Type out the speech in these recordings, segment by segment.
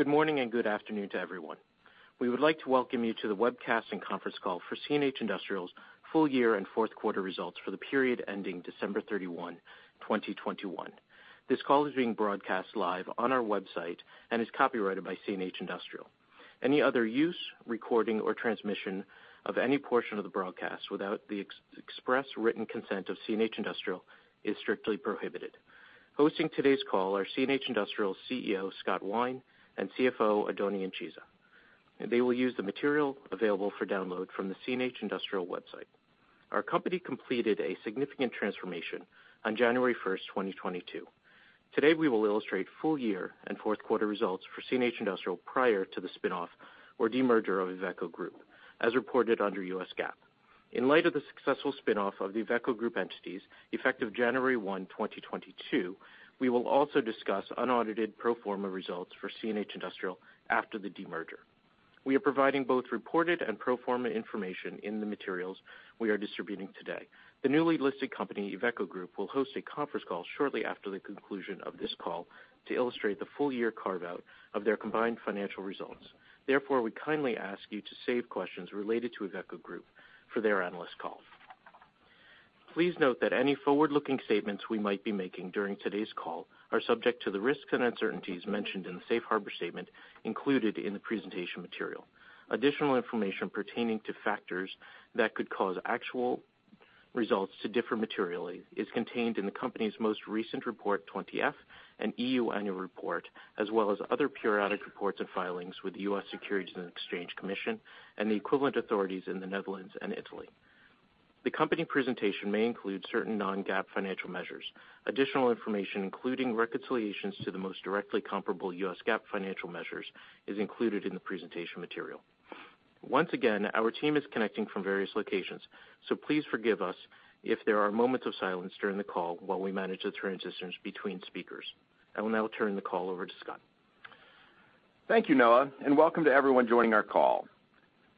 Good morning, and good afternoon to everyone. We would like to welcome you to the webcast and conference call for CNH Industrial's full year and fourth quarter results for the period ending December 31, 2021. This call is being broadcast live on our website and is copyrighted by CNH Industrial. Any other use, recording, or transmission of any portion of the broadcast without the express written consent of CNH Industrial is strictly prohibited. Hosting today's call are Scott Wine [CEO] (CNH Industrial) and CFO, Oddone Incisa. They will use the material available for download from the CNH Industrial website. Our company completed a significant transformation on January 1, 2022. Today, we will illustrate full year and fourth quarter results for CNH Industrial prior to the spin-off or demerger of Iveco Group, as reported under U.S. GAAP. In light of the successful spin-off of the Iveco Group entities, effective January 1, 2022, we will also discuss unaudited pro forma results for CNH Industrial after the demerger. We are providing both reported and pro forma information in the materials we are distributing today. The newly listed company, Iveco Group, will host a conference call shortly after the conclusion of this call to illustrate the full year carve-out of their combined financial results. Therefore, we kindly ask you to save questions related to Iveco Group for their analyst call. Please note that any forward-looking statements we might be making during today's call are subject to the risks and uncertainties mentioned in the safe harbor statement included in the presentation material. Additional information pertaining to factors that could cause actual results to differ materially is contained in the company's most recent Form 20-F, and EU Annual Report, as well as other periodic reports and filings with the U.S. Securities and Exchange Commission and the equivalent authorities in the Netherlands and Italy. The company presentation may include certain non-GAAP financial measures. Additional information, including reconciliations to the most directly comparable U.S. GAAP financial measures, is included in the presentation material. Once again, our team is connecting from various locations, so please forgive us if there are moments of silence during the call while we manage the transitions between speakers. I will now turn the call over to Scott. Thank you, Noah, and welcome to everyone joining our call.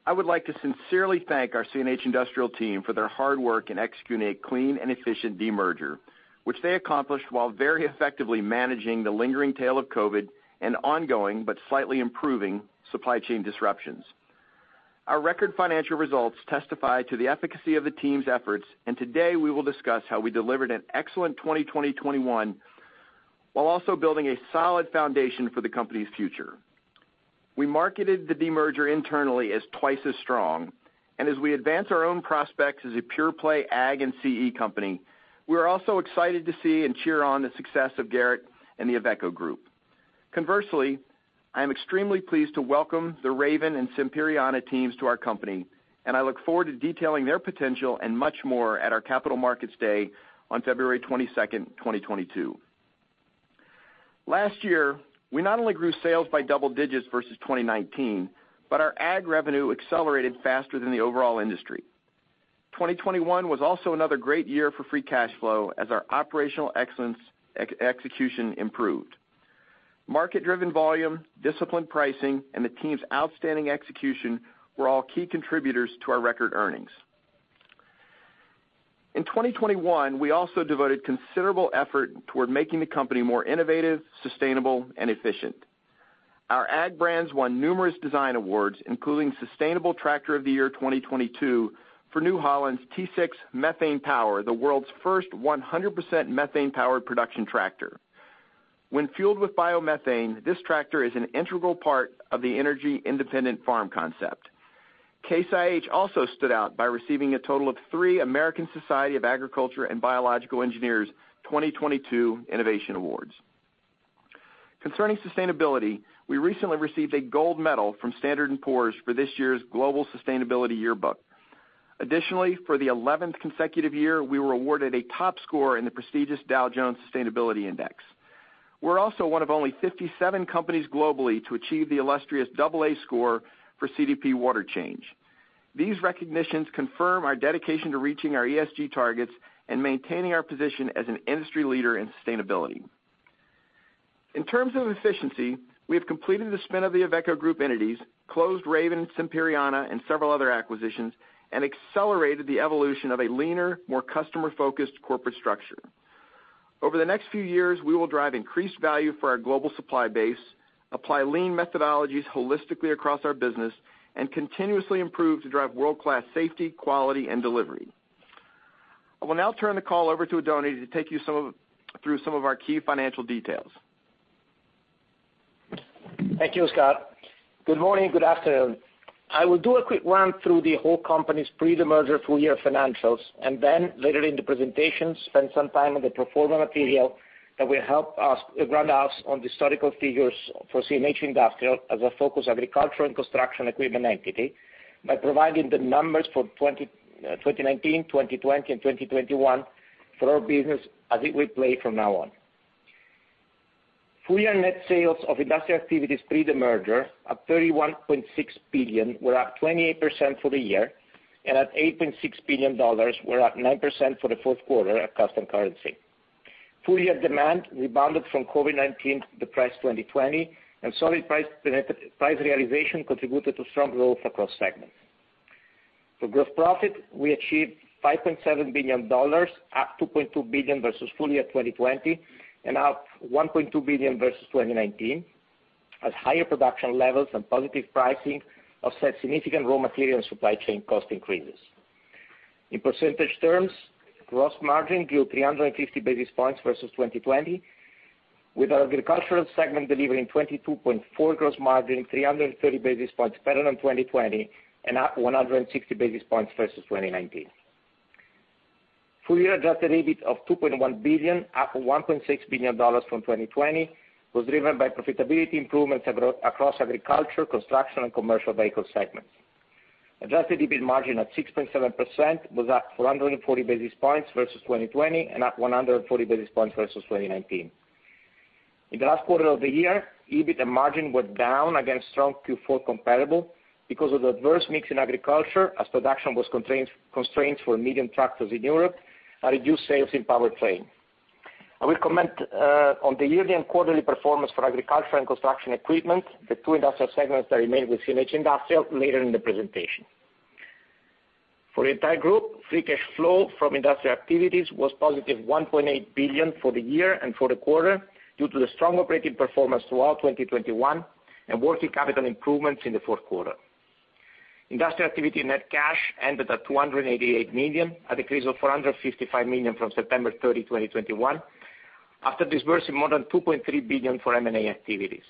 I would like to sincerely thank our CNH Industrial team for their hard work in executing a clean and efficient demerger, which they accomplished while very effectively managing the lingering tail of COVID and ongoing, but slightly improving supply chain disruptions. Our record financial results testify to the efficacy of the team's efforts. Today, we will discuss how we delivered an excellent 2021 while also building a solid foundation for the company's future. We marketed the demerger internally as twice as strong. As we advance our own prospects as a pure play ag and CE company, we're also excited to see and cheer on the success of Garrett and the Iveco Group. Conversely, I am extremely pleased to welcome the Raven and Sampierana teams to our company, and I look forward to detailing their potential and much more at our Capital Markets Day on February 22, 2022. Last year, we not only grew sales by double digits versus 2019, but our ag revenue accelerated faster than the overall industry. 2021 was also another great year for free cash flow as our operational excellence execution improved. Market-driven volume, disciplined pricing, and the team's outstanding execution were all key contributors to our record earnings. In 2021, we also devoted considerable effort toward making the company more innovative, sustainable, and efficient. Our ag brands won numerous design awards, including Sustainable Tractor of the Year 2022 for New Holland's T6 Methane Power, the world's first 100% methane-powered production tractor. When fueled with biomethane, this tractor is an integral part of the energy independent farm concept. Case IH also stood out by receiving a total of three American Society of Agricultural and Biological Engineers 2022 Innovation Awards. Concerning sustainability, we recently received a gold medal from S&P Global for this year's Sustainability Yearbook. Additionally, for the eleventh consecutive year, we were awarded a top score in the prestigious Dow Jones Sustainability Indices. We're also one of only 57 companies globally to achieve the illustrious double A score for CDP Climate Change. These recognitions confirm our dedication to reaching our ESG targets and maintaining our position as an industry leader in sustainability. In terms of efficiency, we have completed the spin of the Iveco Group entities, closed Raven, Sampierana, and several other acquisitions, and accelerated the evolution of a leaner, more customer-focused corporate structure. Over the next few years, we will drive increased value for our global supply base, apply lean methodologies holistically across our business, and continuously improve to drive world-class safety, quality, and delivery. I will now turn the call over to Oddone to take you through some of our key financial details. Thank you, Scott. Good morning, good afternoon. I will do a quick run through the whole company's pre-demerger full year financials and then later in the presentation spend some time on the pro forma material that will help us run out on the historical figures for CNH Industrial as a focused agricultural and construction equipment entity by providing the numbers for 2019, 2020, and 2021 for our business as it will play from now on. Full year net sales of industrial activities pre the merger at $31.6 billion were up 28% for the year, and at $8.6 billion were up 9% for the fourth quarter at constant currency. Full year demand rebounded from COVID-19 depressed 2020 and solid price realization contributed to strong growth across segments. For gross profit, we achieved $5.7 billion, up $2.2 billion versus full year 2020, and up $1.2 billion versus 2019, as higher production levels and positive pricing offset significant raw material and supply chain cost increases. In percentage terms, gross margin grew 350 basis points versus 2020, with our agricultural segment delivering 22.4% gross margin, 330 basis points better than 2020, and at 160 basis points versus 2019. Full year adjusted EBIT of $2.1 billion, up $1.6 billion from 2020, was driven by profitability improvements across agriculture, construction and commercial vehicle segments. Adjusted EBIT margin at 6.7% was up 440 basis points versus 2020 and at 140 basis points versus 2019. In the last quarter of the year, EBIT and margin were down against strong Q4 comparable because of the adverse mix in agriculture, as production was constrained for medium tractors in Europe and reduced sales in powertrain. I will comment on the yearly and quarterly performance for agriculture and construction equipment, the two industrial segments that remained with CNH Industrial, later in the presentation. For the entire group, free cash flow from industrial activities was positive $1.8 billion for the year and for the quarter due to the strong operating performance throughout 2021 and working capital improvements in the fourth quarter. Industrial activity net cash ended at $288 million, a decrease of $455 million from September 30, 2021, after disbursing more than $2.3 billion for M&A activities.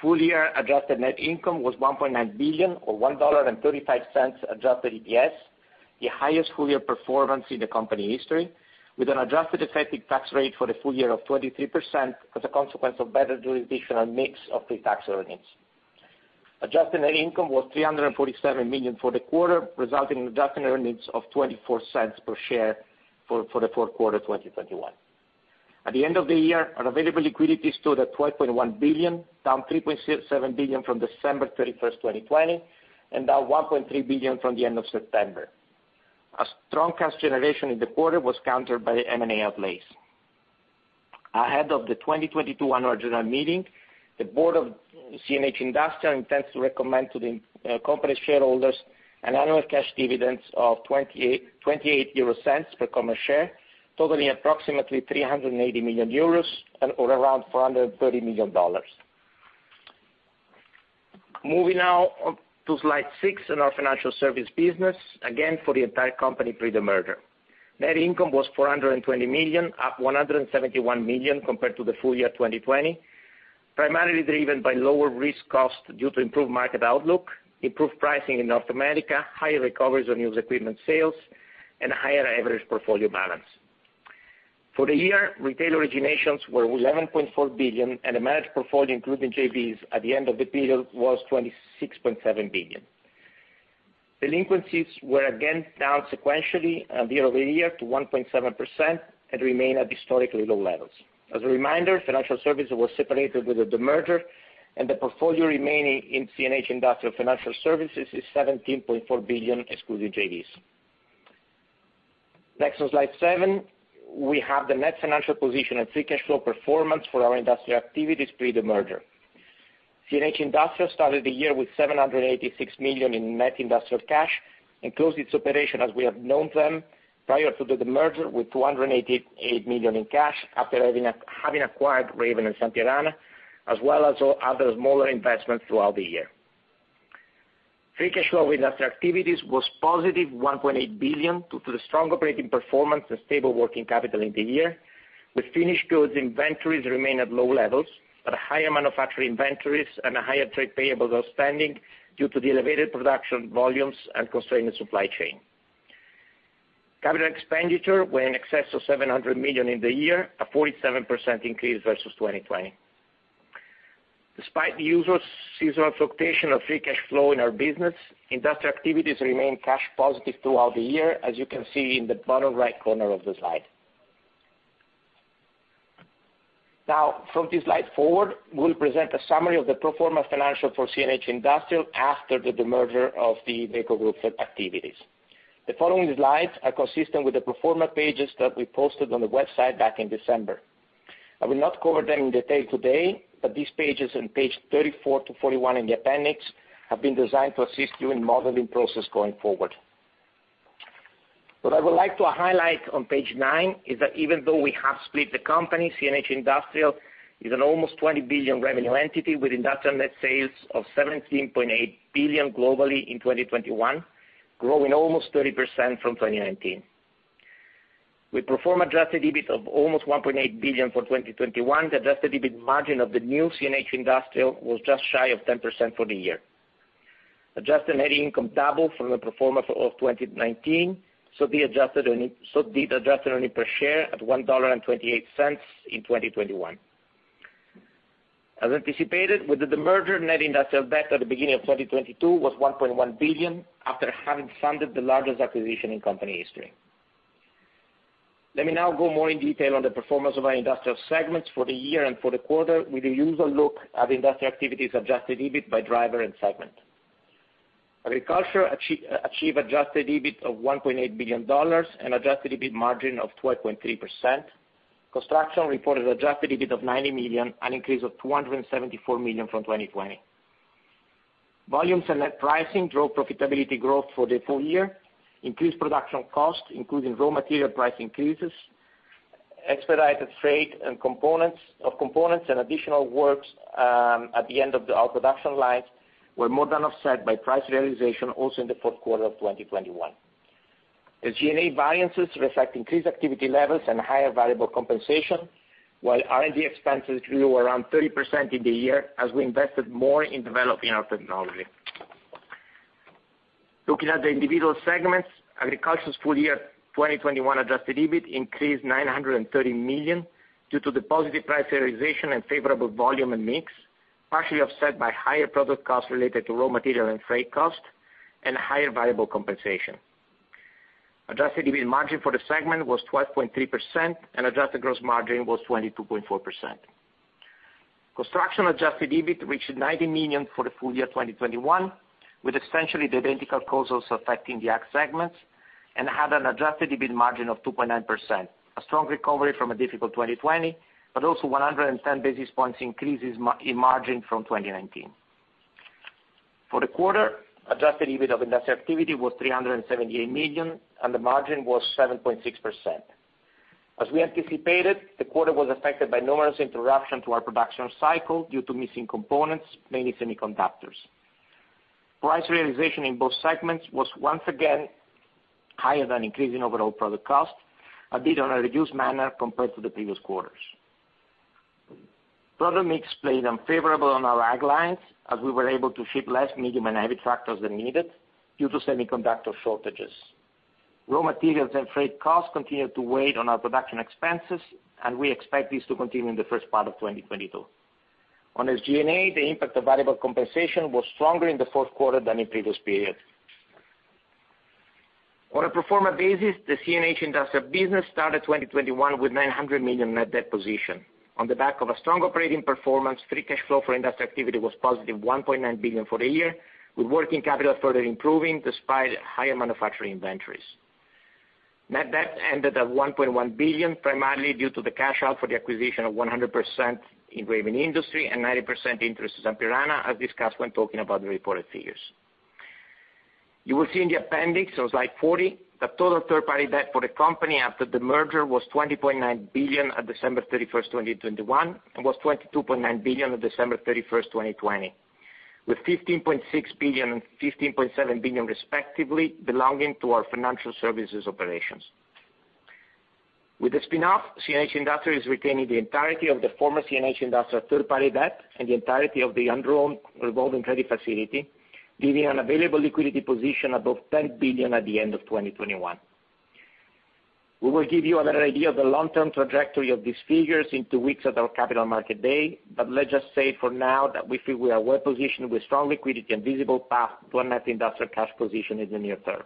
Full year adjusted net income was $1.9 billion, or $1.35 adjusted EPS, the highest full year performance in the company history, with an adjusted effective tax rate for the full year of 23% as a consequence of better jurisdictional mix of pre-tax earnings. Adjusted net income was $347 million for the quarter, resulting in adjusted earnings of $0.24 per share for the fourth quarter 2021. At the end of the year, our available liquidity stood at $12.1 billion, down $3.7 billion from December 31, 2020, and down $1.3 billion from the end of September. A strong cash generation in the quarter was countered by the M&A outlays. Ahead of the 2022 annual general meeting, the board of CNH Industrial intends to recommend to the company shareholders an annual cash dividend of 0.28 per common share, totaling approximately 380 million euros and/or around $430 million. Moving now on to slide six in our financial service business, again, for the entire company pre the merger. Net income was $420 million, up $171 million compared to the full year 2020, primarily driven by lower risk costs due to improved market outlook, improved pricing in North America, higher recoveries on used equipment sales and higher average portfolio balance. For the year, retail originations were $11.4 billion and the managed portfolio, including JVs, at the end of the period was $26.7 billion. Delinquencies were again down sequentially and year over year to 1.7% and remain at historically low levels. As a reminder, financial services was separated with the demerger and the portfolio remaining in CNH Industrial Capital is $17.4 billion, excluding JVs. Next, on slide seven, we have the net financial position and free cash flow performance for our industrial activities pre the demerger. CNH Industrial started the year with $786 million in net industrial cash and closed its operations as we have known them prior to the demerger with $288 million in cash after having acquired Raven and Sampierana, as well as other smaller investments throughout the year. Free cash flow with industrial activities was positive $1.8 billion due to the strong operating performance and stable working capital in the year, with finished goods inventories remain at low levels, but higher manufacturing inventories and a higher trade payables outstanding due to the elevated production volumes and constrained supply chain. Capital expenditure were in excess of $700 million in the year, a 47% increase versus 2020. Despite the usual seasonal fluctuation of free cash flow in our business, industrial activities remained cash positive throughout the year, as you can see in the bottom right corner of the slide. Now from this slide forward, we'll present a summary of the pro forma financials for CNH Industrial after the demerger of the Iveco Group activities. The following slides are consistent with the pro forma pages that we posted on the website back in December. I will not cover them in detail today, but these pages on page 34 to 41 in the appendix have been designed to assist you in modeling process going forward. What I would like to highlight on page nine is that even though we have split the company, CNH Industrial is an almost $20 billion revenue entity with industrial net sales of $17.8 billion globally in 2021, growing almost 30% from 2019. We perform adjusted EBIT of almost $1.8 billion for 2021. The adjusted EBIT margin of the new CNH Industrial was just shy of 10% for the year. Adjusted net income doubled from the pro forma for all of 2019, so did adjusted earnings per share at $1.28 in 2021. As anticipated, with the demerger, net industrial debt at the beginning of 2022 was $1.1 billion after having funded the largest acquisition in company history. Let me now go more in detail on the performance of our industrial segments for the year and for the quarter with the usual look at industrial activities adjusted EBIT by driver and segment. Agriculture achieved adjusted EBIT of $1.8 billion and adjusted EBIT margin of 12.3%. Construction reported adjusted EBIT of $90 million, an increase of $274 million from 2020. Volumes and net pricing drove profitability growth for the full year. Increased production costs, including raw material price increases, expedited freight and components and additional works at the end of our production lines were more than offset by price realization also in the fourth quarter of 2021. The G&A variances reflect increased activity levels and higher variable compensation, while R&D expenses grew around 30% in the year as we invested more in developing our technology. Looking at the individual segments, Agriculture's full year 2021 adjusted EBIT increased 930 million due to the positive price realization and favorable volume and mix, partially offset by higher product costs related to raw material and freight costs and higher variable compensation. Adjusted EBIT margin for the segment was 12.3% and adjusted gross margin was 22.4%. Construction adjusted EBIT reached 90 million for the full year 2021, with essentially the identical causes affecting the Ag segments and had an adjusted EBIT margin of 2.9%. A strong recovery from a difficult 2020, but also 110 basis points increase in margin from 2019. For the quarter, adjusted EBIT of Industrial activity was $378 million, and the margin was 7.6%. As we anticipated, the quarter was affected by numerous interruptions to our production cycle due to missing components, mainly semiconductors. Price realization in both segments was once again higher than the increase in overall product costs, a bit in a reduced manner compared to the previous quarters. Product mix played unfavorable on our Ag lines, as we were able to ship less medium and heavy tractors than needed due to semiconductor shortages. Raw materials and freight costs continued to weigh on our production expenses, and we expect this to continue in the first part of 2022. On SG&A, the impact of variable compensation was stronger in the fourth quarter than in previous periods. On a pro forma basis, the CNH Industrial business started 2021 with 900 million net debt position. On the back of a strong operating performance, free cash flow for Industrial activity was positive 1.9 billion for the year, with working capital further improving despite higher manufacturing inventories. Net debt ended at 1.1 billion, primarily due to the cash out for the acquisition of 100% in Raven Industries and 90% interest in Sampierana, as discussed when talking about the reported figures. You will see in the appendix on slide 40, the total third-party debt for the company after the merger was 20.9 billion on December 31, 2021, and was 22.9 billion on December 31, 2020. With 15.6 billion and 15.7 billion respectively belonging to our financial services operations. With the spin-off, CNH Industrial is retaining the entirety of the former CNH Industrial third-party debt and the entirety of the undrawn revolving credit facility, leaving an available liquidity position above $10 billion at the end of 2021. We will give you another idea of the long-term trajectory of these figures in two weeks at our Capital Markets Day. Let's just say for now that we feel we are well positioned with strong liquidity and visible path to a net industrial cash position in the near term.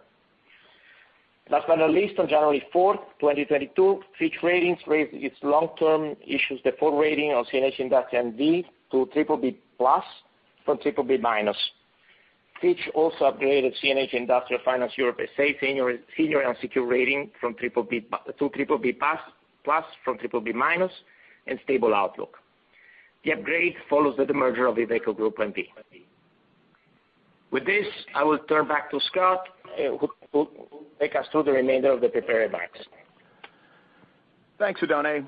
Last but not least, on January 4, 2022, Fitch Ratings raised its long-term issuer default rating on CNH Industrial N.V. to BBB+ from BBB-. Fitch also upgraded CNH Industrial Finance Europe S.A. senior unsecured and secured rating from BBB to BBB+ from BBB- and stable outlook. The upgrade follows with the merger of Iveco Group N.V. With this, I will turn back to Scott, who'll take us through the remainder of the prepared remarks. Thanks, Oddone.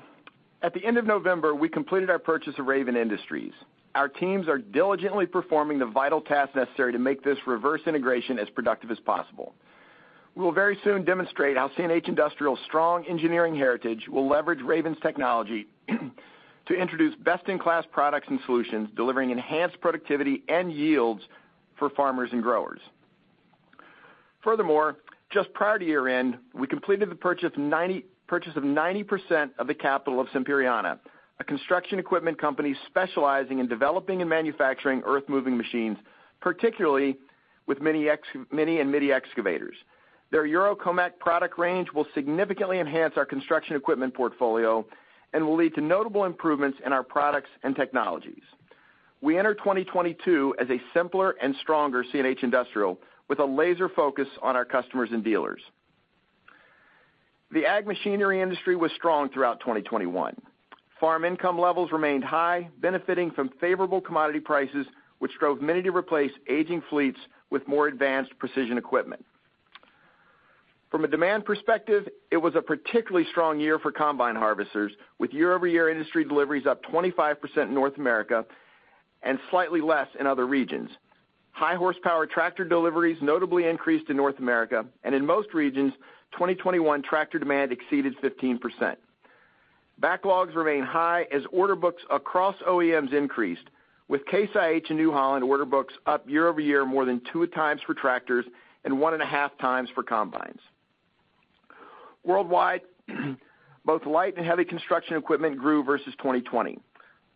At the end of November, we completed our purchase of Raven Industries. Our teams are diligently performing the vital tasks necessary to make this reverse integration as productive as possible. We will very soon demonstrate how CNH Industrial's strong engineering heritage will leverage Raven's technology to introduce best-in-class products and solutions, delivering enhanced productivity and yields for farmers and growers. Furthermore, just prior to year-end, we completed the purchase of 90% of the capital of Sampierana, a construction equipment company specializing in developing and manufacturing earth-moving machines, particularly mini and midi excavators. Their Eurocomach product range will significantly enhance our construction equipment portfolio and will lead to notable improvements in our products and technologies. We enter 2022 as a simpler and stronger CNH Industrial with a laser focus on our customers and dealers. The ag machinery industry was strong throughout 2021. Farm income levels remained high, benefiting from favorable commodity prices, which drove many to replace aging fleets with more advanced precision equipment. From a demand perspective, it was a particularly strong year for combine harvesters, with year-over-year industry deliveries up 25% in North America and slightly less in other regions. High horsepower tractor deliveries notably increased in North America, and in most regions, 2021 tractor demand exceeded 15%. Backlogs remain high as order books across OEMs increased, with Case IH and New Holland order books up year over year more than 2x for tractors and 1.5x for combines. Worldwide, both light and heavy construction equipment grew versus 2020.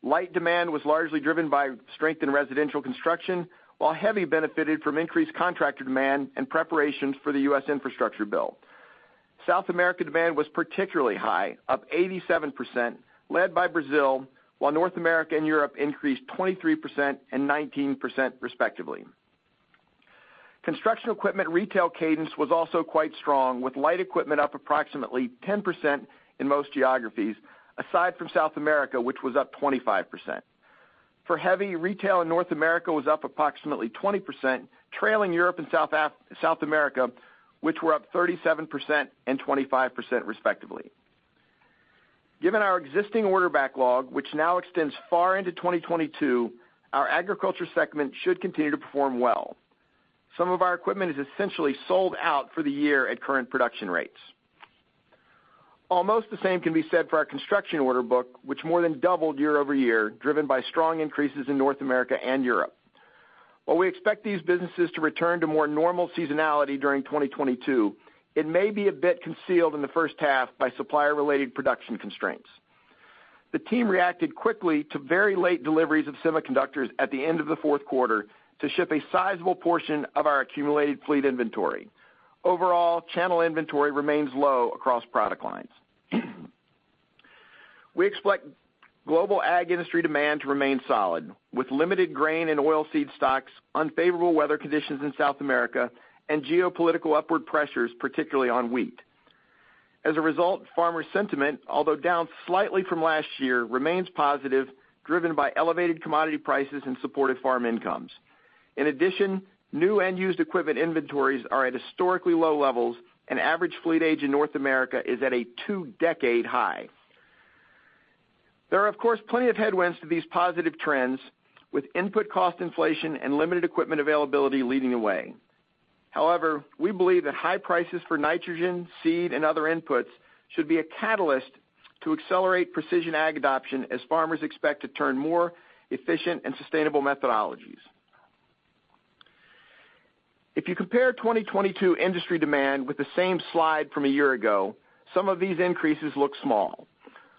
Light demand was largely driven by strength in residential construction, while heavy benefited from increased contractor demand and preparations for the U.S. infrastructure bill. South America demand was particularly high, up 87%, led by Brazil, while North America and Europe increased 23% and 19% respectively. Construction equipment retail cadence was also quite strong, with light equipment up approximately 10% in most geographies, aside from South America, which was up 25%. For heavy, retail in North America was up approximately 20%, trailing Europe and South America, which were up 37% and 25% respectively. Given our existing order backlog, which now extends far into 2022, our agriculture segment should continue to perform well. Some of our equipment is essentially sold out for the year at current production rates. Almost the same can be said for our construction order book, which more than doubled year over year, driven by strong increases in North America and Europe. While we expect these businesses to return to more normal seasonality during 2022, it may be a bit concealed in the first half by supplier-related production constraints. The team reacted quickly to very late deliveries of semiconductors at the end of the fourth quarter to ship a sizable portion of our accumulated fleet inventory. Overall, channel inventory remains low across product lines. We expect global ag industry demand to remain solid, with limited grain and oil seed stocks, unfavorable weather conditions in South America, and geopolitical upward pressures, particularly on wheat. As a result, farmer sentiment, although down slightly from last year, remains positive, driven by elevated commodity prices and supported farm incomes. In addition, new and used equipment inventories are at historically low levels, and average fleet age in North America is at a two-decade high. There are, of course, plenty of headwinds to these positive trends, with input cost inflation and limited equipment availability leading the way. However, we believe that high prices for nitrogen, seed, and other inputs should be a catalyst to accelerate precision ag adoption as farmers expect to turn more efficient and sustainable methodologies. If you compare 2022 industry demand with the same slide from a year ago, some of these increases look small.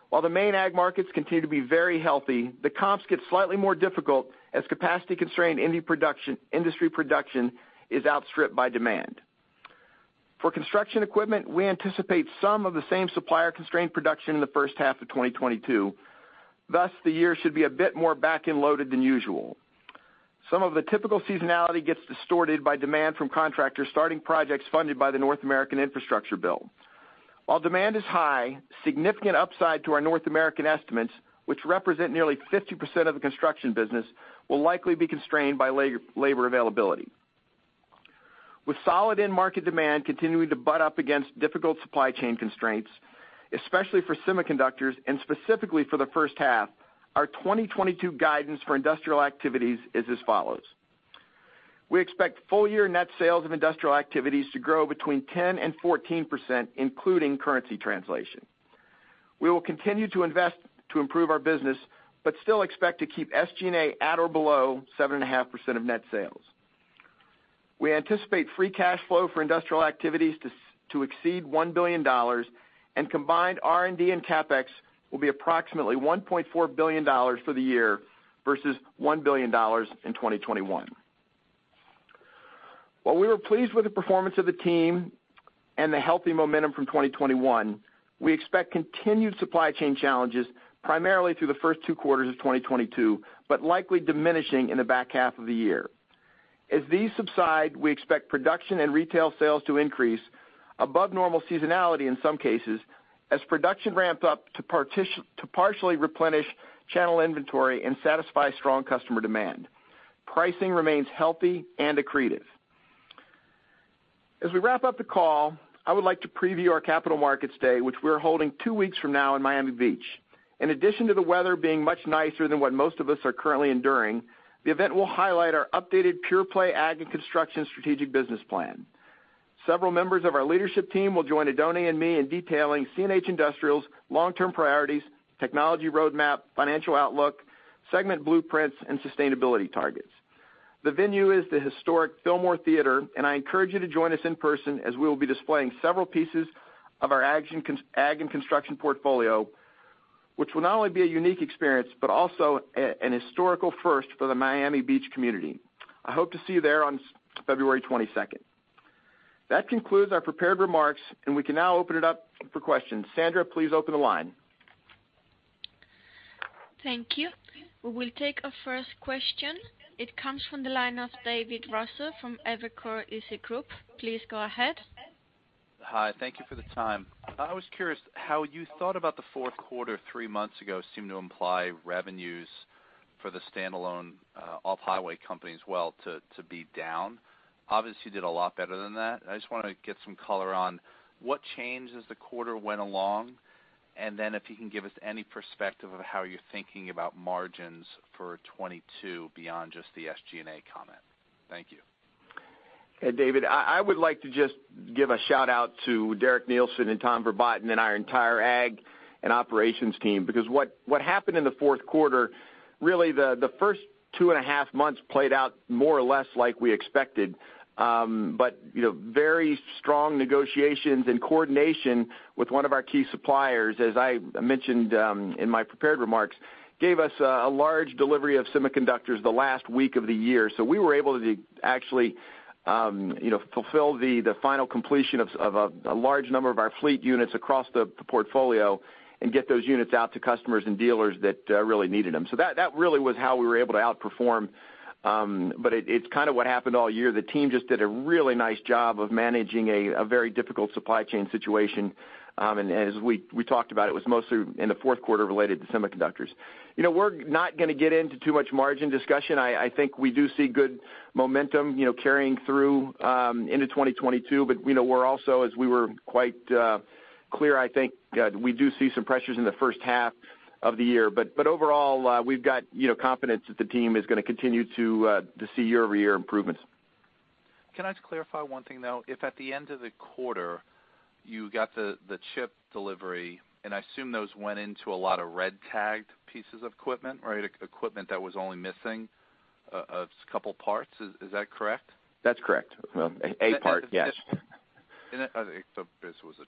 While the main ag markets continue to be very healthy, the comps get slightly more difficult as capacity-constrained industry production is outstripped by demand. For construction equipment, we anticipate some of the same supplier-constrained production in the first half of 2022. Thus, the year should be a bit more back-end loaded than usual. Some of the typical seasonality gets distorted by demand from contractors starting projects funded by the Infrastructure Investment and Jobs Act. While demand is high, significant upside to our North American estimates, which represent nearly 50% of the construction business, will likely be constrained by labor availability. With solid end market demand continuing to butt up against difficult supply chain constraints, especially for semiconductors and specifically for the H1, our 2022 guidance for industrial activities is as follows. We expect full-year net sales of industrial activities to grow 10%-14%, including currency translation. We will continue to invest to improve our business but still expect to keep SG&A at or below 7.5% of net sales. We anticipate free cash flow for industrial activities to exceed $1 billion, and combined R&D and CapEx will be approximately $1.4 billion for the year versus $1 billion in 2021. While we were pleased with the performance of the team and the healthy momentum from 2021, we expect continued supply chain challenges primarily through the first two quarters of 2022, but likely diminishing in the back half of the year. As these subside, we expect production and retail sales to increase above normal seasonality in some cases, as production ramps up to partially replenish channel inventory and satisfy strong customer demand. Pricing remains healthy and accretive. As we wrap up the call, I would like to preview our Capital Markets Day, which we're holding two weeks from now in Miami Beach. In addition to the weather being much nicer than what most of us are currently enduring, the event will highlight our updated pure-play ag and construction strategic business plan. Several members of our leadership team will join Oddone Incisa and me in detailing CNH Industrial's long-term priorities, technology roadmap, financial outlook, segment blueprints, and sustainability targets. The venue is the historic Fillmore Theater, and I encourage you to join us in person as we will be displaying several pieces of our ag and construction portfolio, which will not only be a unique experience, but also an historical first for the Miami Beach community. I hope to see you there on February 22. That concludes our prepared remarks, and we can now open it up for questions. Sandra, please open the line. Thank you. We will take our first question. It comes from the line of David Raso from Evercore ISI. Please go ahead. Hi. Thank you for the time. I was curious how you thought about the fourth quarter three months ago seemed to imply revenues for the standalone, off-highway company as well to be down. Obviously, you did a lot better than that. I just wanna get some color on what changed as the quarter went along, and then if you can give us any perspective of how you're thinking about margins for 2022 beyond just the SG&A comment. Thank you. Hey, David. I would like to just give a shout-out to Derek Neilson and Tom Verbaeten and our entire ag and operations team because what happened in the fourth quarter, really the first 2.5 Months played out more or less like we expected. You know, very strong negotiations and coordination with one of our key suppliers, as I mentioned in my prepared remarks, gave us a large delivery of semiconductors the last week of the year. We were able to actually you know, fulfill the final completion of a large number of our fleet units across the portfolio and get those units out to customers and dealers that really needed them. That really was how we were able to outperform, but it's kind of what happened all year. The team just did a really nice job of managing a very difficult supply chain situation. As we talked about, it was mostly in the fourth quarter related to semiconductors. You know, we're not gonna get into too much margin discussion. I think we do see good momentum, you know, carrying through into 2022, but you know, we're also as we were quite consistent, clear, I think we do see some pressures in the H1 of the year. Overall, we've got you know, confidence that the team is gonna continue to see year-over-year improvements. Can I just clarify one thing, though? If at the end of the quarter you got the chip delivery, and I assume those went into a lot of red-tagged pieces of equipment or equipment that was only missing a couple parts. Is that correct? That's correct. Well, a part, yes. I think this was a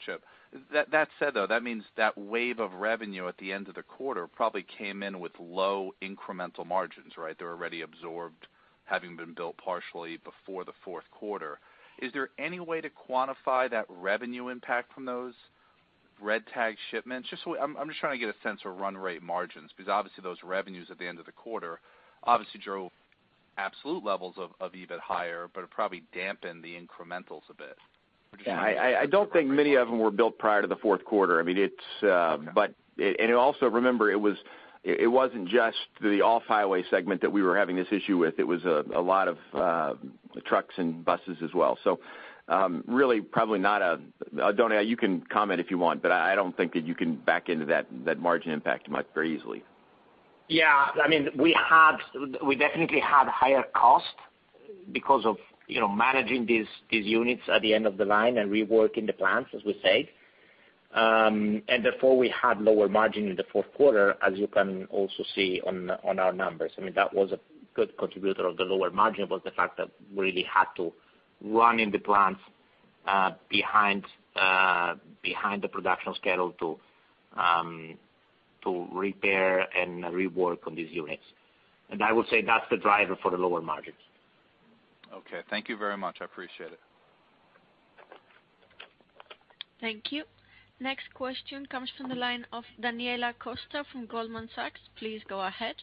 blip. That said, though, that means that wave of revenue at the end of the quarter probably came in with low incremental margins, right? They're already absorbed, having been built partially before the fourth quarter. Is there any way to quantify that revenue impact from those red-tagged shipments? Just so I'm just trying to get a sense of run rate margins, because obviously those revenues at the end of the quarter obviously drove absolute levels of EBIT higher, but it probably dampened the incrementals a bit. Yeah. I don't think many of them were built prior to the fourth quarter. I mean. Also remember, it wasn't just the off-highway segment that we were having this issue with. It was a lot of trucks and buses as well. Really, probably not. Oddone Incisa, you can comment if you want, but I don't think that you can back into that margin impact very easily. Yeah. I mean, we had, we definitely had higher cost because of, you know, managing these units at the end of the line and reworking the plans, as we say. Therefore, we had lower margin in the fourth quarter, as you can also see on our numbers. I mean, that was a good contributor of the lower margin, was the fact that we really had to run in the plants behind the production schedule to repair and rework on these units. I would say that's the driver for the lower margins. Okay. Thank you very much. I appreciate it. Thank you. Next question comes from the line of Daniela Costa from Goldman Sachs. Please go ahead.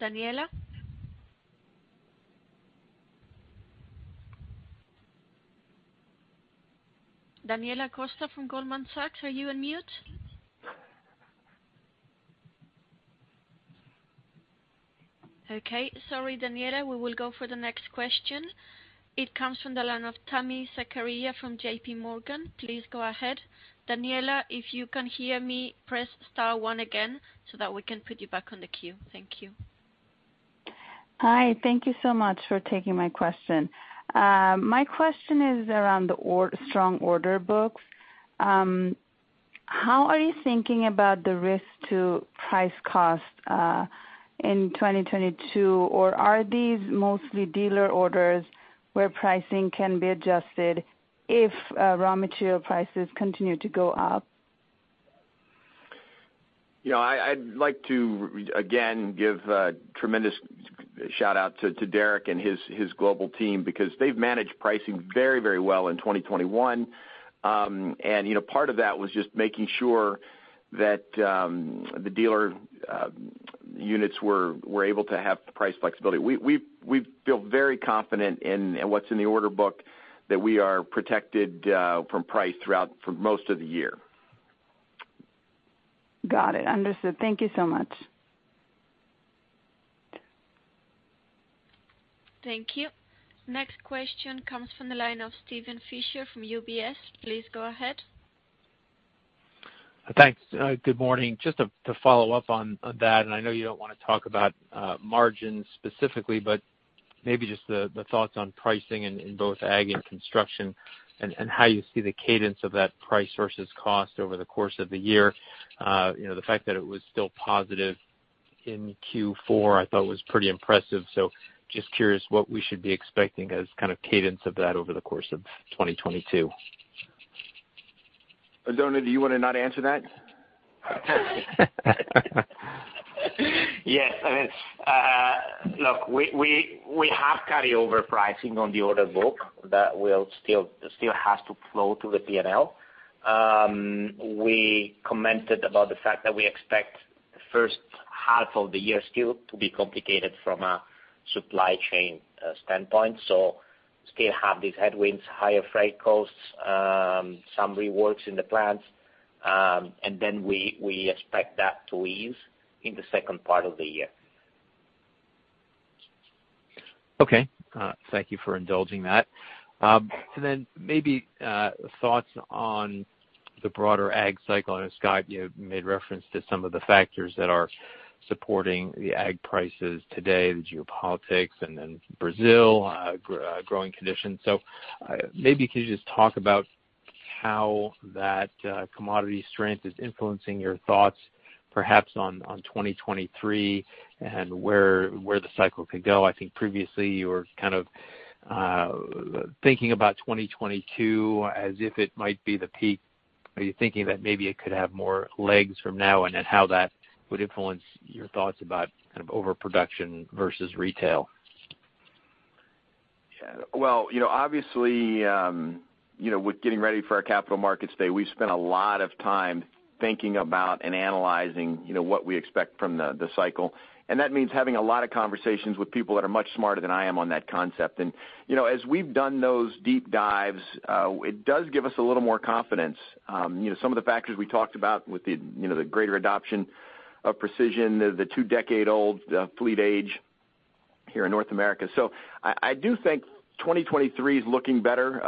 Daniela? Daniela Costa from Goldman Sachs, are you on mute? Okay. Sorry, Daniela. We will go for the next question. It comes from the line of Tami Zakaria from J.P. Morgan. Please go ahead. Daniela, if you can hear me, press star one again so that we can put you back on the queue. Thank you. Hi. Thank you so much for taking my question. My question is around the strong order books. How are you thinking about the risk to price cost in 2022? Are these mostly dealer orders where pricing can be adjusted if raw material prices continue to go up? You know, I'd like to again give a tremendous shout-out to Derek and his global team because they've managed pricing very, very well in 2021. You know, part of that was just making sure that the dealer units were able to have price flexibility. We feel very confident in what's in the order book that we are protected from price throughout for most of the year. Got it. Understood. Thank you so much. Thank you. Next question comes from the line of Steven Fisher from UBS. Please go ahead. Thanks. Good morning. Just to follow-up on that, and I know you don't wanna talk about margins specifically, but maybe just the thoughts on pricing in both ag and construction and how you see the cadence of that price versus cost over the course of the year. You know, the fact that it was still positive in Q4 I thought was pretty impressive. Just curious what we should be expecting as kind of cadence of that over the course of 2022. Oddone, do you wanna not answer that? Yes. I mean, look, we have carryover pricing on the order book that will still has to flow through the P&L. We commented about the fact that we expect the first half of the year still to be complicated from a supply chain standpoint, so still have these headwinds, higher freight costs, some reworks in the plants. We expect that to ease in the second part of the year. Okay. Thank you for indulging that. Maybe thoughts on the broader ag cycle. I know, Scott, you made reference to some of the factors that are supporting the ag prices today, the geopolitics and then Brazil growing conditions. Maybe could you just talk about how that commodity strength is influencing your thoughts perhaps on 2023 and where the cycle could go? I think previously you were kind of thinking about 2022 as if it might be the peak. Are you thinking that maybe it could have more legs from now on, and how that would influence your thoughts about kind of overproduction versus retail? Yeah. Well, you know, obviously, you know, with getting ready for our Capital Markets Day, we've spent a lot of time thinking about and analyzing, you know, what we expect from the cycle, and that means having a lot of conversations with people that are much smarter than I am on that concept. You know, as we've done those deep dives, it does give us a little more confidence. You know, some of the factors we talked about with the, you know, the greater adoption of precision, the two-decade-old fleet age here in North America. I do think 2023 is looking better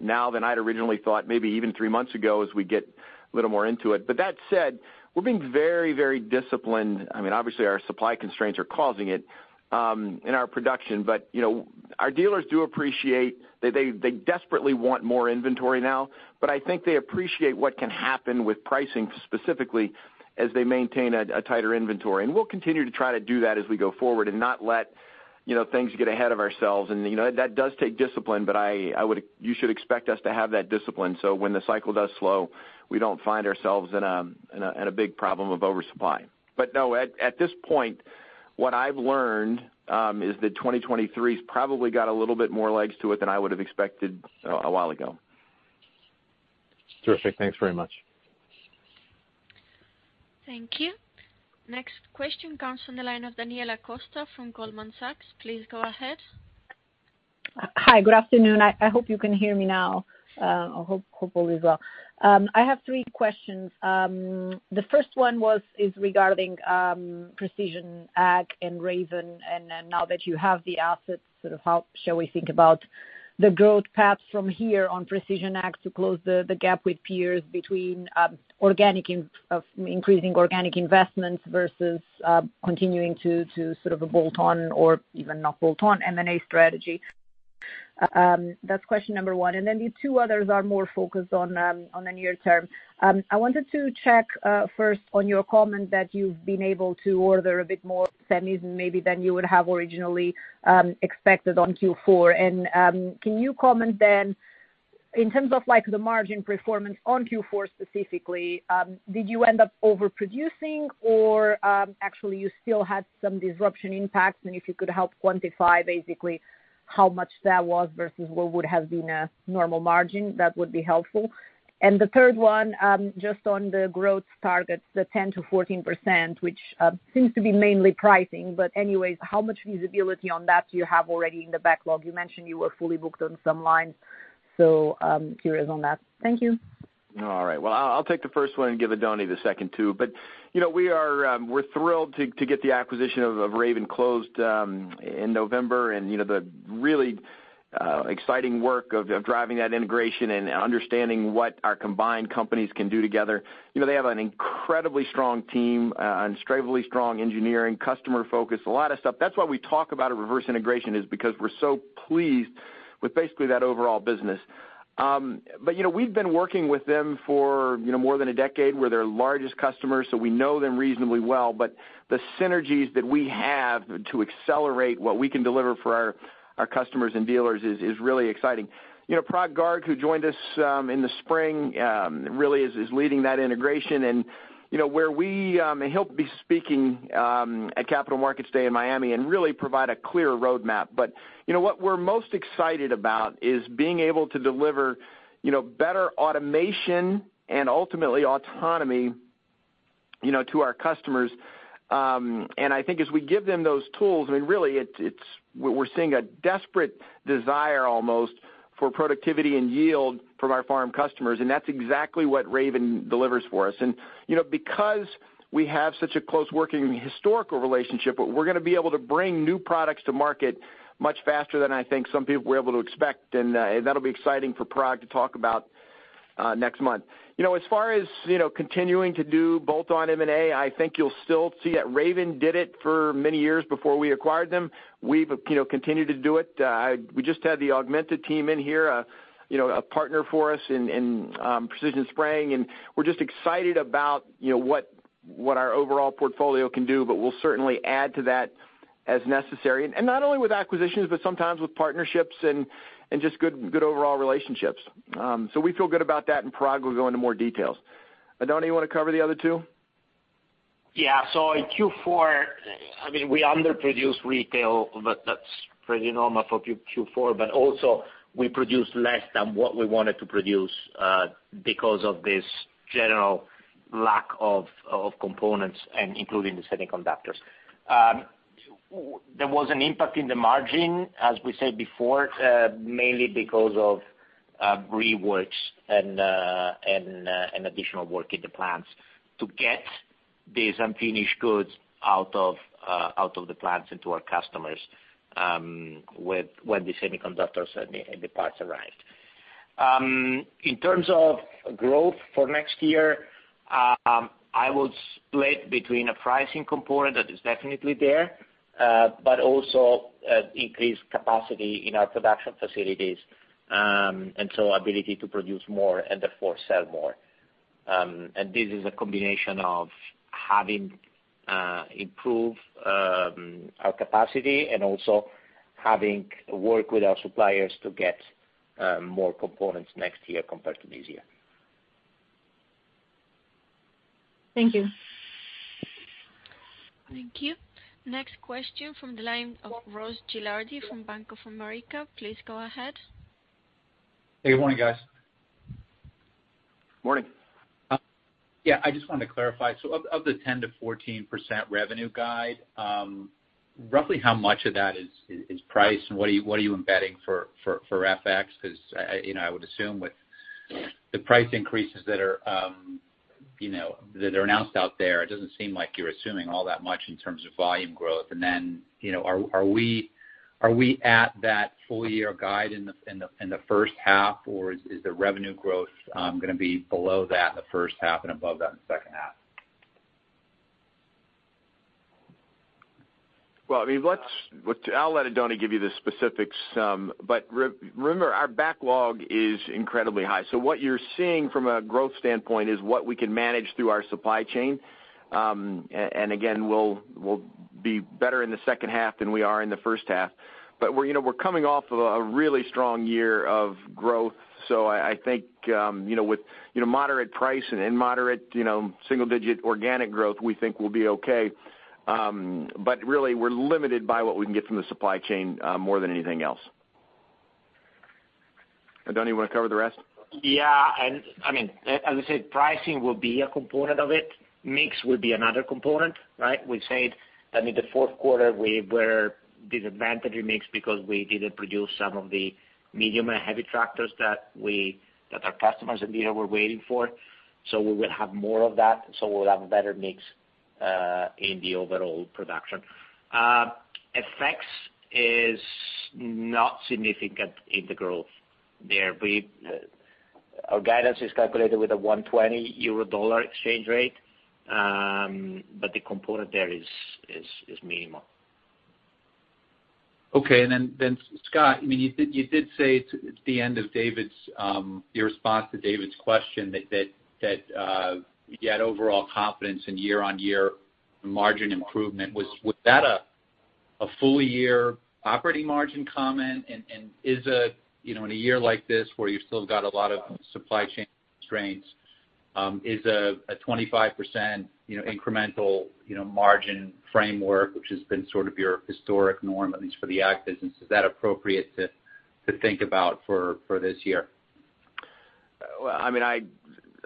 now than I'd originally thought, maybe even three months ago as we get a little more into it. But that said, we're being very, very disciplined. I mean, obviously, our supply constraints are causing it in our production. You know, our dealers do appreciate that they desperately want more inventory now, but I think they appreciate what can happen with pricing specifically as they maintain a tighter inventory. We'll continue to try to do that as we go forward and not let, you know, things get ahead of ourselves. You know, that does take discipline, but you should expect us to have that discipline, so when the cycle does slow, we don't find ourselves in a big problem of oversupply. No, at this point, what I've learned is that 2023's probably got a little bit more legs to it than I would have expected a while ago. Terrific. Thanks very much. Thank you. Next question comes from the line of Daniela Costa from Goldman Sachs. Please go ahead. Hi, good afternoon. I hope you can hear me now, or hopefully as well. I have three questions. The first one was, is regarding Precision Ag and Raven, and then now that you have the assets, sort of how shall we think about the growth path from here on Precision Ag to close the gap with peers between organic of increasing organic investments versus continuing to sort of a bolt-on or even not bolt-on M&A strategy. That's question number one. The two others are more focused on the near term. I wanted to check first on your comment that you've been able to order a bit more semis than maybe you would have originally expected on Q4. Can you comment then in terms of like the margin performance on Q4 specifically, did you end up overproducing or, actually you still had some disruption impacts? If you could help quantify basically how much that was versus what would have been a normal margin, that would be helpful. The third one, just on the growth targets, the 10%-14%, which seems to be mainly pricing. Anyways, how much visibility on that do you have already in the backlog? You mentioned you were fully booked on some lines, so I'm curious on that. Thank you. All right. Well, I'll take the first one and give Oddone the second two. You know, we're thrilled to get the acquisition of Raven closed in November. You know, the really exciting work of driving that integration and understanding what our combined companies can do together. You know, they have an incredibly strong team, incredibly strong engineering, customer focus, a lot of stuff. That's why we talk about a reverse integration is because we're so pleased with basically that overall business. You know, we've been working with them for you know, more than a decade. We're their largest customer, so we know them reasonably well. The synergies that we have to accelerate what we can deliver for our customers and dealers is really exciting. You know, Parag Garg, who joined us in the spring, really is leading that integration. You know, he'll be speaking at Capital Markets Day in Miami and really provide a clear roadmap. You know, what we're most excited about is being able to deliver better automation and ultimately autonomy to our customers. I think as we give them those tools, I mean, really, we're seeing a desperate desire almost for productivity and yield from our farm customers, and that's exactly what Raven delivers for us. You know, because we have such a close working historical relationship, we're gonna be able to bring new products to market much faster than I think some people were able to expect, and that'll be exciting for Parag to talk about next month. You know, as far as, you know, continuing to do bolt-on M&A, I think you'll still see that Raven did it for many years before we acquired them. We've, you know, continued to do it. We just had the Augmenta team in here, you know, a partner for us in precision spraying, and we're just excited about, you know, what our overall portfolio can do, but we'll certainly add to that as necessary. Not only with acquisitions, but sometimes with partnerships and just good overall relationships. So, we feel good about that, and Prag will go into more details. Oddone, you wanna cover the other two? Yeah. In Q4, I mean, we underproduced retail, but that's pretty normal for Q4. We produced less than what we wanted to produce, because of this general lack of components and including the semiconductors. There was an impact in the margin, as we said before, mainly because of reworks and additional work in the plants to get these unfinished goods out of the plants and to our customers, when the semiconductors and the parts arrived. In terms of growth for next year, I would split between a pricing component that is definitely there, but also increased capacity in our production facilities, and ability to produce more and therefore sell more. This is a combination of having improved our capacity and also having worked with our suppliers to get more components next year compared to this year. Thank you. Thank you. Next question from the line of Ross Gilardi from Bank of America. Please go ahead. Hey, good morning, guys. Morning. Yeah, I just wanted to clarify, so of the 10%-14% revenue guide, roughly how much of that is price and what are you embedding for FX? 'Cause, you know, I would assume with the price increases that are, you know, that are announced out there, it doesn't seem like you're assuming all that much in terms of volume growth. You know, are we at that full year guide in the H1, or is the revenue growth gonna be below that in the first half and above that in the H2? Well, I mean, I'll let Oddone give you the specifics. Remember, our backlog is incredibly high. What you're seeing from a growth standpoint is what we can manage through our supply chain. And again, we'll be better in the second half than we are in the H1. We're, you know, coming off of a really strong year of growth. I think, you know, with moderate price and moderate single digit organic growth, we think we'll be okay. Really, we're limited by what we can get from the supply chain more than anything else. Oddone, you wanna cover the rest? Yeah. I mean, as I said, pricing will be a component of it. Mix will be another component, right? We said that in the fourth quarter, we were disadvantaged in mix because we didn't produce some of the medium and heavy tractors that our customers in the year were waiting for. We will have more of that, so we'll have a better mix in the overall production. FX effects is not significant in the growth there. Our guidance is calculated with a 1.20 euro dollar exchange rate, but the component there is minimal. Okay. Scott, I mean, you did say at the end of your response to David's question that you had overall confidence in year-on-year margin improvement. Was that a full year operating margin comment? Is it, you know, in a year like this where you still got a lot of supply chain constraints, is a 25%, you know, incremental, you know, margin framework, which has been sort of your historic norm, at least for the Ag business, appropriate to think about for this year? Well, I mean,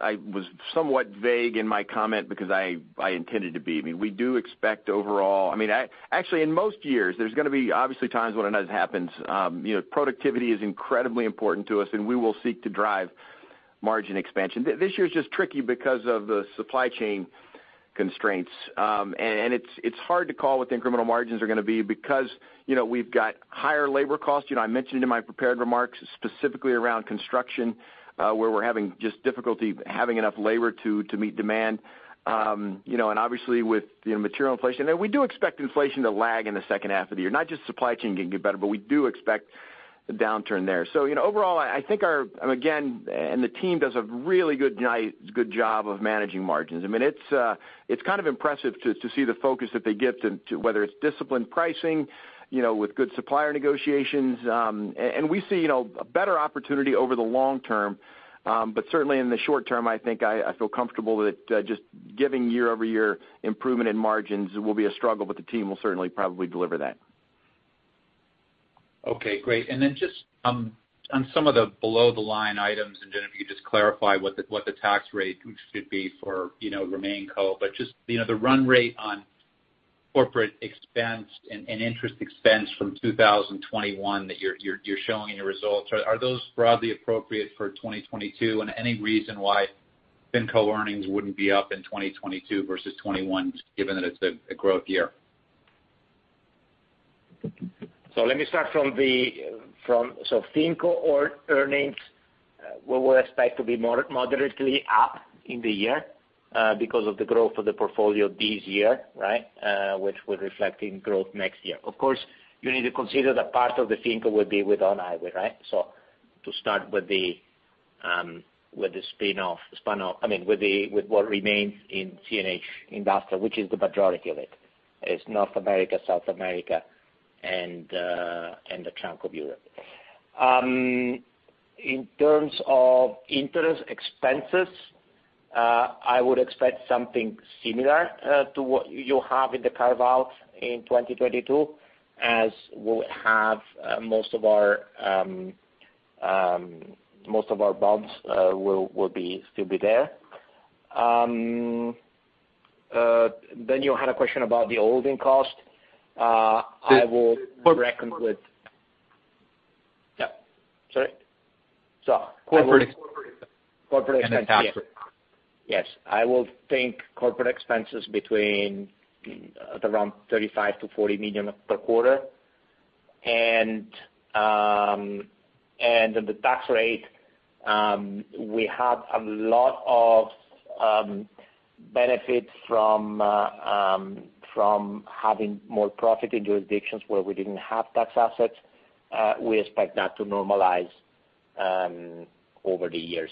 I was somewhat vague in my comment because I intended to be. I mean, we do expect overall. I mean, actually, in most years, there's gonna be obviously times when it does happen. You know, productivity is incredibly important to us, and we will seek to drive margin expansion. This year is just tricky because of the supply chain constraints. It's hard to call what the incremental margins are gonna be because, you know, we've got higher labor costs. You know, I mentioned in my prepared remarks, specifically around construction, where we're having just difficulty having enough labor to meet demand. You know, and obviously with the material inflation. We do expect inflation to lag in the H2 of the year, not just supply chain getting better, but we do expect a downturn there. You know, overall, I think our team does a really good job of managing margins. I mean, it's kind of impressive to see the focus that they get to whether it's disciplined pricing, you know, with good supplier negotiations. And we see a better opportunity over the long term. But certainly in the short term, I think I feel comfortable that just giving year-over-year improvement in margins will be a struggle, but the team will certainly probably deliver that. Okay, great. Just on some of the below the line items, and then if you could just clarify what the tax rate should be for, you know, RemainCo. Just, you know, the run rate on corporate expense and interest expense from 2021 that you're showing in your results, are those broadly appropriate for 2022? Any reason why FinCO earnings wouldn't be up in 2022 versus 2021, given that it's a growth year? Let me start from FinCo earnings. We will expect to be moderately up in the year because of the growth of the portfolio this year, right? Which we're reflecting growth next year. Of course, you need to consider that part of the FinCo will be with On-Highway, right? To start with the spin-off, I mean, with what remains in CNH Industrial, which is the majority of it. It's North America, South America, and a chunk of Europe. In terms of interest expenses, I would expect something similar to what you have in the carve out in 2022, as we'll have most of our bonds will still be there. Then you had a question about the holding cost. I will reckon with. Cor- Yeah. Sorry. Corporate- Corporate expense. The tax rate. Yes. I think corporate expense is between around $35 million-$40 million per quarter. The tax rate we have a lot of benefit from having more profit in jurisdictions where we didn't have tax assets. We expect that to normalize over the years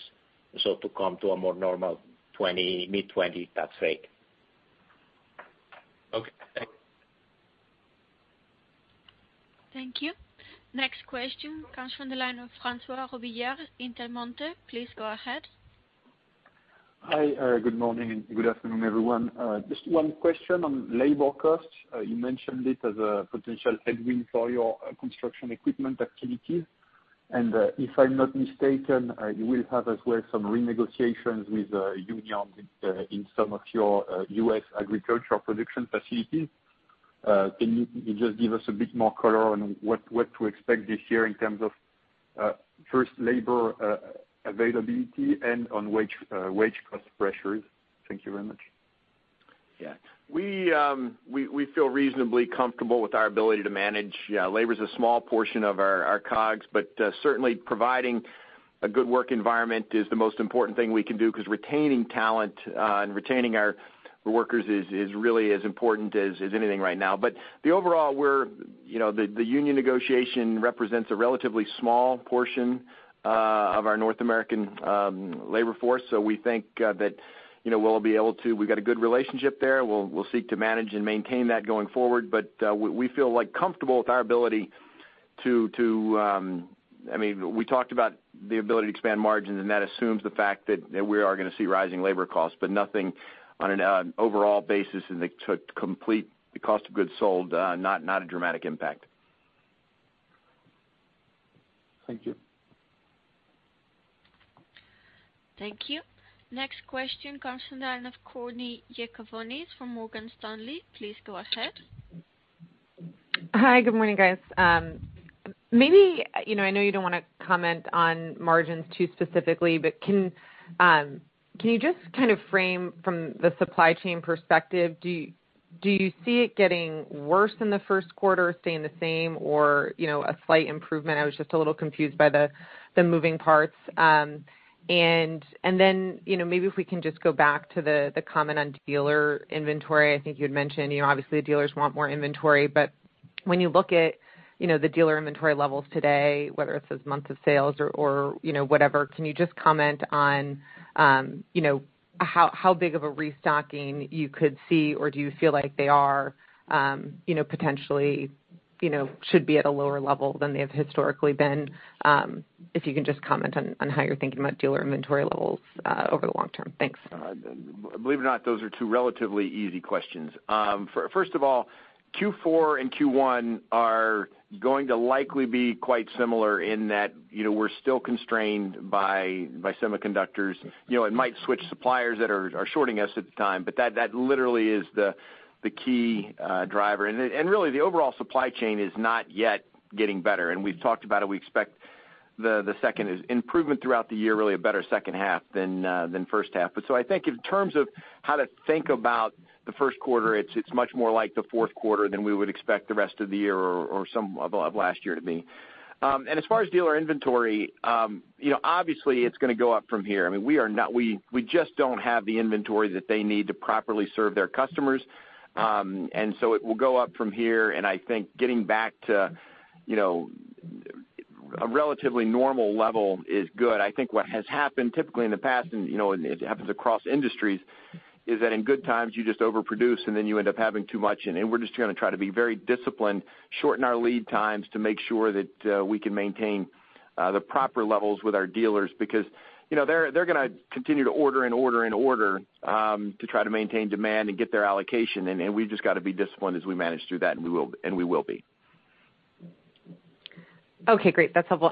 to come to a more normal 20, mid-20% tax rate. Okay. Thank you. Thank you. Next question comes from the line of Francois Robillard, Intermonte. Please go ahead. Hi. Good morning and good afternoon, everyone. Just one question on labor costs. You mentioned it as a potential headwind for your construction equipment activities. If I'm not mistaken, you will have as well some renegotiations with union in some of your U.S. agricultural production facilities. Can you just give us a bit more color on what to expect this year in terms of first labor availability and on wage cost pressures? Thank you very much. Yeah, we feel reasonably comfortable with our ability to manage. Yeah, labor is a small portion of our COGS, but certainly providing a good work environment is the most important thing we can do because retaining talent and retaining our workers is really as important as anything right now. The overall, we're, you know, the union negotiation represents a relatively small portion of our North American labor force. We think that, you know, we'll be able to. We've got a good relationship there. We'll seek to manage and maintain that going forward. We feel like comfortable with our ability, I mean, we talked about the ability to expand margins, and that assumes the fact that we are going to see rising labor costs, but nothing on an overall basis in the total cost of goods sold, not a dramatic impact. Thank you. Thank you. Next question comes in the line of Courtney Yakavonis from Morgan Stanley. Please go ahead. Hi. Good morning, guys. Maybe, you know, I know you don't wanna comment on margins too specifically, but can you just kind of frame from the supply chain perspective, do you see it getting worse in the first quarter, staying the same or, you know, a slight improvement? I was just a little confused by the moving parts. You know, maybe if we can just go back to the comment on dealer inventory. I think you'd mentioned, you know, obviously dealers want more inventory. When you look at, you know, the dealer inventory levels today, whether it's those months of sales or, you know, whatever, can you just comment on, you know, how big of a restocking you could see or do you feel like they are, you know, potentially, you know, should be at a lower level than they have historically been? If you can just comment on how you're thinking about dealer inventory levels over the long term. Thanks. Believe it or not, those are two relatively easy questions. First of all, Q4 and Q1 are going to likely be quite similar in that, you know, we're still constrained by semiconductors. You know, it might switch suppliers that are shorting us at the time, but that literally is the key driver. Really the overall supply chain is not yet getting better. We've talked about it. We expect the second is improvement throughout the year, really a better H2 than H1. I think in terms of how to think about the first quarter, it's much more like the fourth quarter than we would expect the rest of the year or some of last year to be. As far as dealer inventory, you know, obviously it's gonna go up from here. I mean, we just don't have the inventory that they need to properly serve their customers. It will go up from here. I think getting back to, you know, a relatively normal level is good. I think what has happened typically in the past, you know, it happens across industries, is that in good times you just overproduce and then you end up having too much. We're just gonna try to be very disciplined, shorten our lead times to make sure that we can maintain the proper levels with our dealers. Because, you know, they're gonna continue to order and order and order to try to maintain demand and get their allocation. We've just got to be disciplined as we manage through that, and we will be. Okay, great. That's helpful.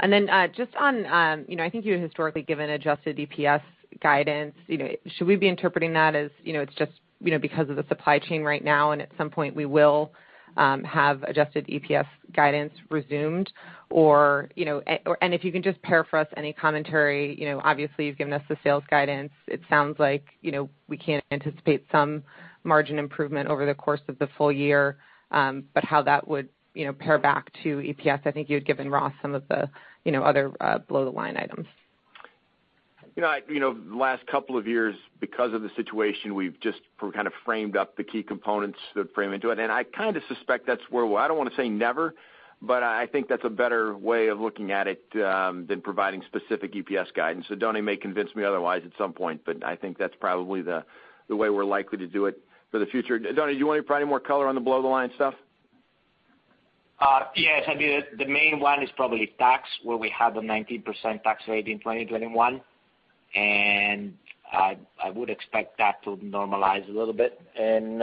Just on, you know, I think you've historically given adjusted EPS guidance. You know, should we be interpreting that as, you know, it's just, you know, because of the supply chain right now and at some point we will have adjusted EPS guidance resumed? Or, you know, and if you can just pair for us any commentary. You know, obviously you've given us the sales guidance. It sounds like, you know, we can anticipate some margin improvement over the course of the full year, but how that would, you know, pair back to EPS. I think you had given Ross some of the, you know, other below the line items. You know, you know, the last couple of years because of the situation, we've just kind of framed up the key components that frame into it. I kind of suspect that's where I don't want to say never, but I think that's a better way of looking at it than providing specific EPS guidance. Oddone may convince me otherwise at some point, but I think that's probably the way we're likely to do it for the future. Oddone, do you want to provide any more color on the below the line stuff? Yes, I mean, the main one is probably tax, where we have a 19% tax rate in 2021, and I would expect that to normalize a little bit in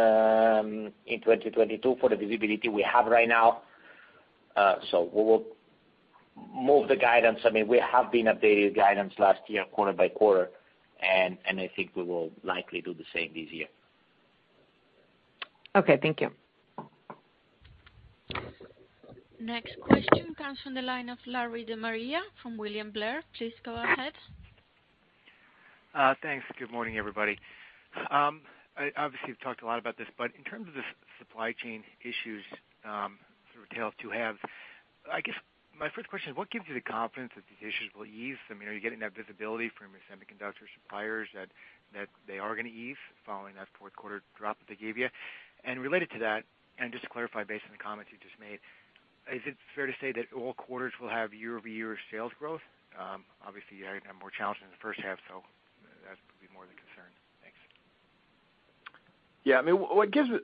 2022 for the visibility we have right now. So we will move the guidance. I mean, we have been updating guidance last year quarter by quarter, and I think we will likely do the same this year. Okay, thank you. Next question comes from the line of Larry DeMaria from William Blair. Please go ahead. Thanks. Good morning, everybody. Obviously, you've talked a lot about this, but in terms of the supply chain issues, sort of tale of two halves, I guess my first question is, what gives you the confidence that these issues will ease? I mean, are you getting that visibility from your semiconductor suppliers that they are gonna ease following that fourth quarter drop that they gave you? And related to that, and just to clarify based on the comments you just made, is it fair to say that all quarters will have year-over-year sales growth? Obviously, you're more challenged in the H1, so that would be more the concern. Thanks. Yeah. I mean,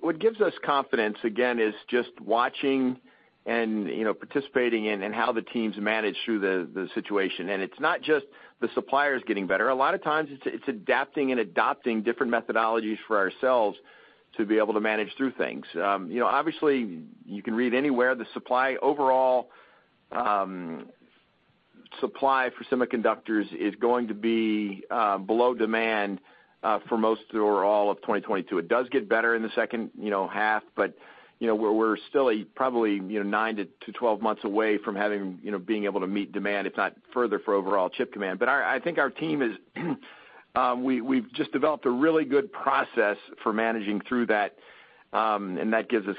what gives us confidence, again, is just watching and, you know, participating in and how the teams manage through the situation. It's not just the suppliers getting better. A lot of times it's adapting and adopting different methodologies for ourselves to be able to manage through things. You know, obviously you can read anywhere the supply overall, supply for semiconductors is going to be below demand for most or all of 2022. It does get better in the H2, but, you know, we're still probably, you know, nine-12 months away from having, you know, being able to meet demand, if not further for overall chip demand. I think our team has just developed a really good process for managing through that, and that gives us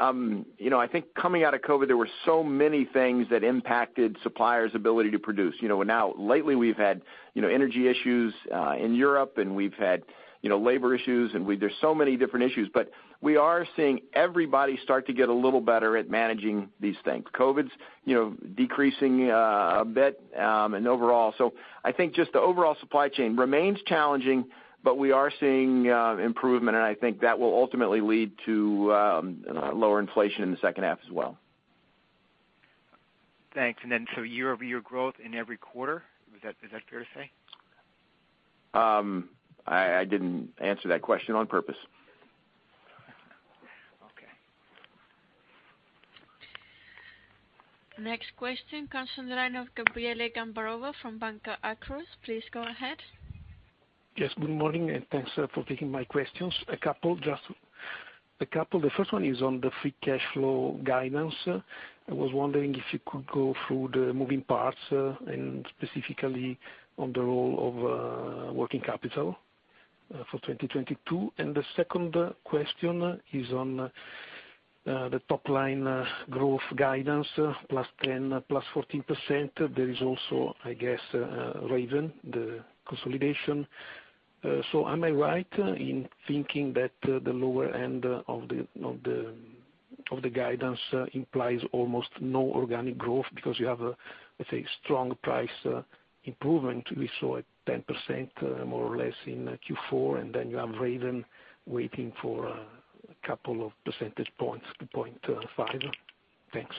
confidence. The overall, I think coming out of COVID, there were so many things that impacted suppliers' ability to produce. You know, now lately we've had, you know, energy issues in Europe and we've had, you know, labor issues and there's so many different issues. We are seeing everybody start to get a little better at managing these things. COVID's, you know, decreasing a bit, and overall, I think just the overall supply chain remains challenging, but we are seeing improvement, and I think that will ultimately lead to lower inflation in the H2 as well. Thanks. Year-over-year growth in every quarter? Is that fair to say? I didn't answer that question on purpose. Okay. Next question comes from the line of Gabriele Gambarova from Banca Akros. Please go ahead. Yes, good morning, and thanks for taking my questions. A couple, just a couple. The first one is on the free cash flow guidance. I was wondering if you could go through the moving parts, and specifically on the role of working capital for 2022. The second question is on the top line growth guidance +10% to +14%. There is also, I guess, Raven, the consolidation. So am I right in thinking that the lower end of the guidance implies almost no organic growth because you have, let's say, strong price improvement? We saw it 10% more or less in Q4, and then you have Raven waiting for a couple of percentage points, 0.5. Thanks.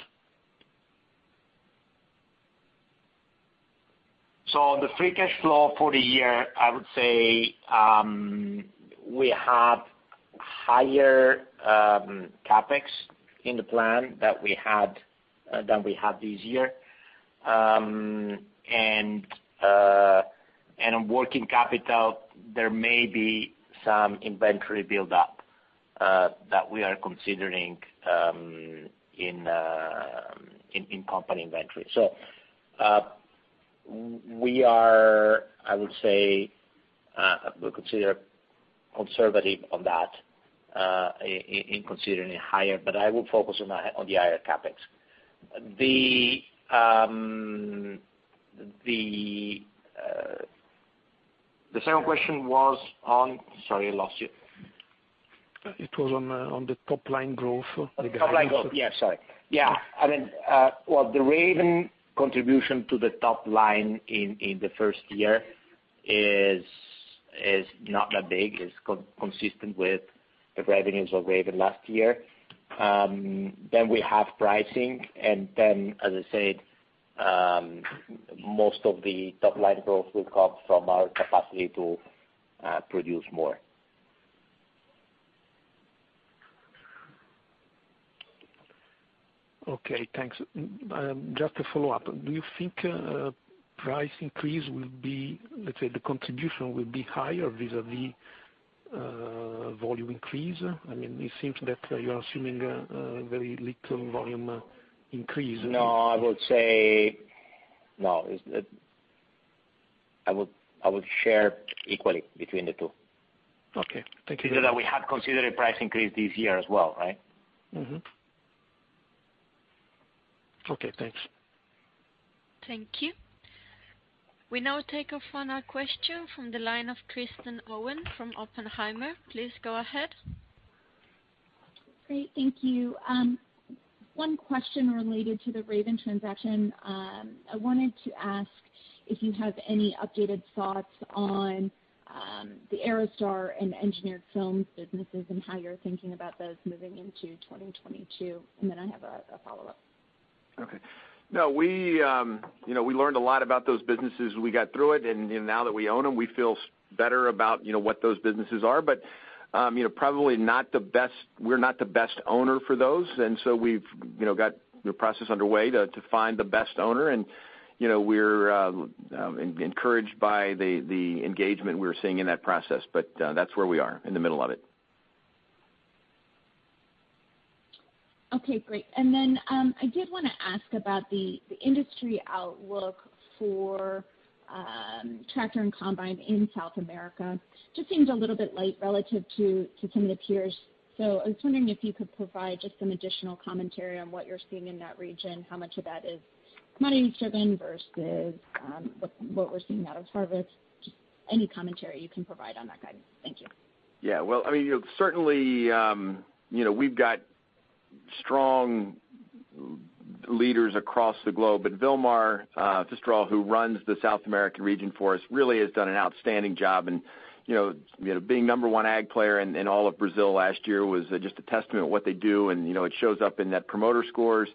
The free cash flow for the year, I would say, we have higher CapEx in the plan than we had this year. Working capital, there may be some inventory build-up that we are considering in company inventory. We are, I would say, we consider conservative on that in considering it higher, but I will focus on the higher CapEx. The second question was on? Sorry, I lost you. It was on the top line growth. Top line growth. Yeah, sorry. Yeah. I mean, well, the Raven contribution to the top line in the first year is not that big. It's consistent with the revenues of Raven last year. Then we have pricing, and then, as I said, most of the top line growth will come from our capacity to produce more. Okay, thanks. Just to follow-up, do you think a price increase will be, let's say, the contribution will be higher vis-à-vis volume increase? I mean, it seems that you are assuming a very little volume increase. No, it's, I would share equally between the two. Okay. Thank you. You know, that we have considered a price increase this year as well, right? Mm-hmm. Okay, thanks. Thank you. We now take a final question from the line of Kristen Owen from Oppenheimer. Please go ahead. Great. Thank you. One question related to the Raven transaction. I wanted to ask if you have any updated thoughts on the AeroStar and Raven Engineered Films businesses and how you're thinking about those moving into 2022. Then I have a follow-up. Okay. No, we, you know, we learned a lot about those businesses. We got through it, and now that we own them, we feel better about, you know, what those businesses are. You know, probably not the best. We're not the best owner for those. We've, you know, got the process underway to find the best owner and, you know, we're encouraged by the engagement we're seeing in that process. That's where we are, in the middle of it. Okay, great. Then I did wanna ask about the industry outlook for tractor and combine in South America. It just seems a little bit light relative to some of the peers. I was wondering if you could provide just some additional commentary on what you're seeing in that region, how much of that is money-driven versus what we're seeing out of harvest. Just any commentary you can provide on that guide. Thank you. Yeah. Well, I mean, certainly, you know, we've got strong leaders across the globe. Vilmar Fistaroll, who runs the South American region for us, really has done an outstanding job and, you know, being number one ag player in all of Brazil last year was just a testament of what they do, and, you know, it shows up in Net Promoter Scores,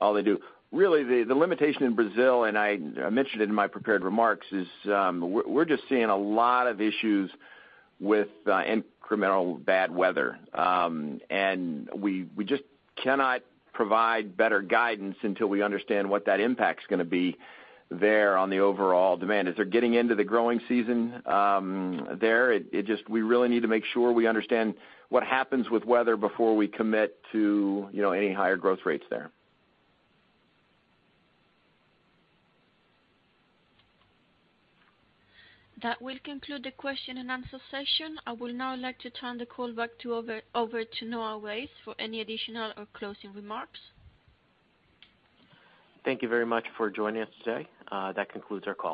all they do. Really, the limitation in Brazil, and I mentioned it in my prepared remarks, is we're just seeing a lot of issues with incremental bad weather. We just cannot provide better guidance until we understand what that impact's gonna be there on the overall demand. As they're getting into the growing season, we really need to make sure we understand what happens with weather before we commit to, you know, any higher growth rates there. That will conclude the question-and-answer session. I would now like to turn the call back to Noah Weiss for any additional or closing remarks. Thank you very much for joining us today. That concludes our call.